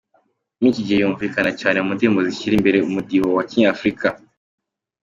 Muri iki gihe yumvikana cyane mu ndirimbo zishyira imbere umudiho wa kinyafurika.